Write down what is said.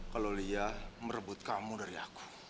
kalau lia merebut kamu dari aku